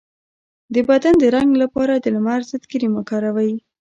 د بدن د رنګ لپاره د لمر ضد کریم وکاروئ